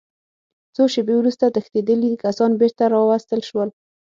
څو شېبې وروسته تښتېدلي کسان بېرته راوستل شول